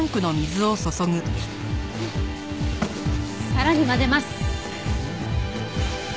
さらに混ぜます。